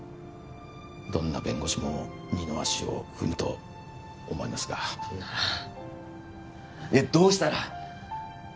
どんな弁護士も二の足を踏むと思いますがならどうしたら？